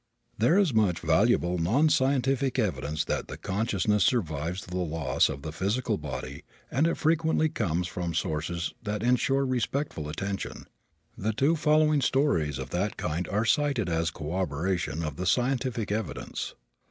There is much valuable non scientific evidence that the consciousness survives the loss of the physical body and it frequently comes from sources that insure respectful attention. The two following stories of that kind are cited as corroboration of the scientific evidence.